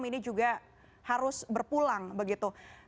ini juga harus berpulang begitu